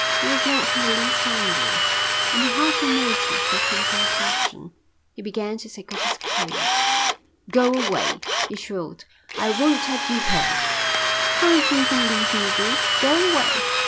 He was not in the least angry, and he hardly noticed that she was in a passion. He began to take off his coat. "Go away," she shrieked. "I won't have you here. Can't you even leave me this? Go away."